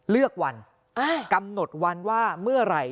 เลือกวันกำหนดวันว่าเมื่อไหร่